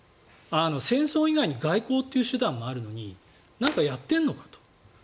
戦争以外に外交という手段があるのに何かやっているのかと。